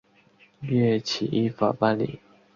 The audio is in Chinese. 岳起依法办理。